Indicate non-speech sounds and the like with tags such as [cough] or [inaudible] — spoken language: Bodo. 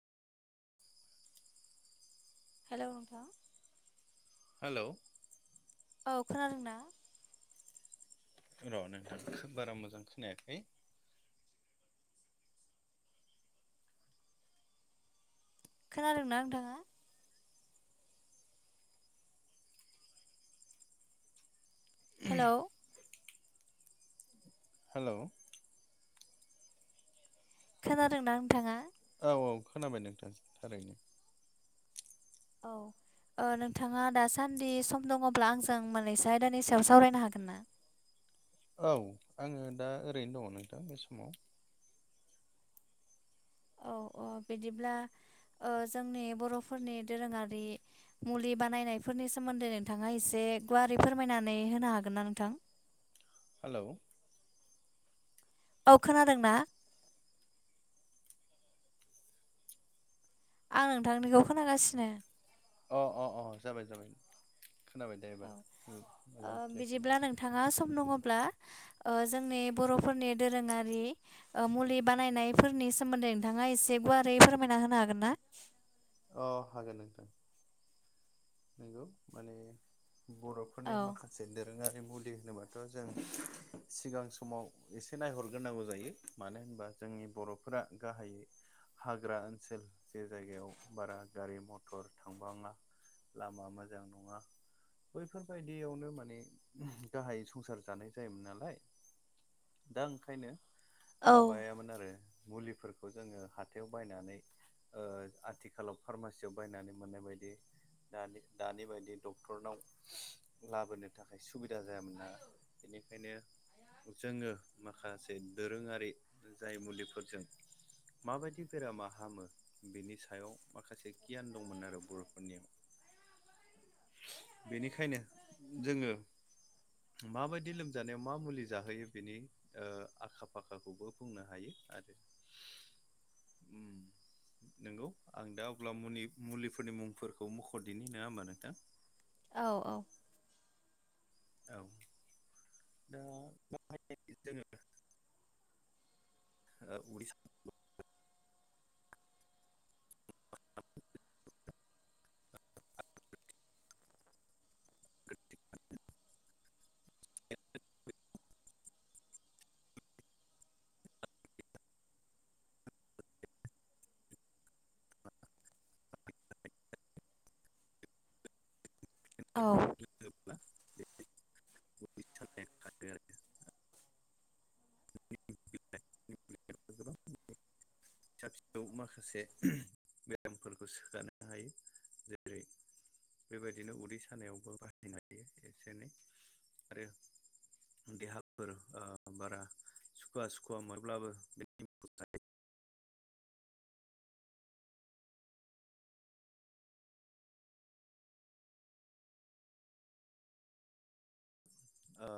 हेल' नोंथां हेलौ औ खोनादोंना? र' नोंथां बारा मोजां खोनायाखै? खोनादों ना नोंथाङा? हेलौ हेल' खोनादोंना नोंथाङा? औ औ खोनाबाय नोंथां थारैनो। औ नोंथाङा दासान्दि सम दङब्ला आंजों मोनैसो आयदानि सायाव सावरायनो हागोन ना? औ आङो दा ओरैनो दङ नोंथां बे समाव। औ औ बिदिब्ला ओ जोंनि बर'फोरनि दोरोङारि मुलि बानायनायफोरनि सोमोन्दै नोंथाङा एसे गुवारै फोरमायनानै होनो हागोन ना नोंथां? हेलौ औ खोनादों ना? आं नोंथांनिखौ खोनागासिनो। अ अ अ जाबाय जाबाय खोनाबाय दे औ ओ मोजां क्लिार बिदिब्ला खोनाबाय। नोंथाङा सम दङब्ला जोंनि बर'फोरनि दोरोङारि मुलि बानायनायफोरनि सोमोन्दै नोंथाङा एसे गुवारै फोरमायना होनो हागोन ना? अ हागोन नोंथां। नोंगौ माने बर'फोरनि औ माखासे जे दोरोङारि मुलि होनोबाथ' जों सिगां समाव एसे नायहरग्रोनांगौ जायो। मानो होनबा जोंनि बर'फोरा गाहायै हाग्रा ओनसोल जे जायगायाव बारा गारि मथर थांबाङा लामा मोजां नङा बैफोरबायदियावनो माने गाहायै संसार जानाय जायोमोन नालाय दा ओंखायनो औ माबायामोन आरो मुलिफोरखौ बेखौ जोङो हाथायाव बायनानै ओ आथिखालाव फारमासियाव बायनानै मोननाय बायदि दानि दानि बायदि डक्टरनाव लाबोनो थाखाय सुबिदा जायामोन ना? बेनिखायनो जोङो माखासे दोरोङारि जाय मुलिफोरजों मा बायदि बेरामा हामो बेनि सायाव माखासे गियान दंमोन आरो बर'फोरनियाव। बेनिखायनो जोङो मा बायदि लोमजानायाव मा मुलि जाहोयो बेनि ओ आखा फाखाखौबो बुंनो हायो आरो। [inaudible] उम नंगौ आं दा अब्ला मुलिफोरनि मुंफोरखौ मुंख' फरदिनि नङा होमबा नोंथां? औ औ औ दा जोङो [unintelligible] औ उदै [unintelligible] [inaudible] [inaudible] [inaudible] औ [unintelligible] [unintelligible] [unintelligible] [unintelligible] फिसा फिसौ माखासे बेरामफोरखौ सोखानो हायो जेरै बेबायदिनो उदै सानायावबो बाहायनो हायो एसे एनै आरो देहाफोर ओ बारा सुखुवा सुखुवा मोनोब्लाबो [unintelligible] ओ